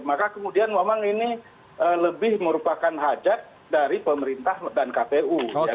maka kemudian memang ini lebih merupakan hajat dari pemerintah dan kpu